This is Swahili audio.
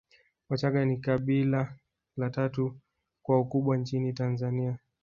Wachagga ni kabila la tatu kwa ukubwa nchini Tanzania